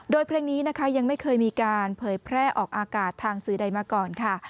โดยเพลงนี้นะคะยังไม่เคยมีการเผยแพร่ออกอากาศทางสื่อใดมาก่อนค่ะ